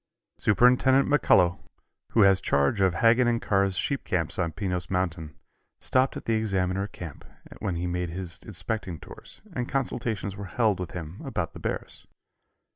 Superintendent McCullough, who has charge of Haggin & Carr's sheep camps on Pinos Mountain, stopped at the Examiner camp when he made his inspecting tours, and consultations were held with him about the bears.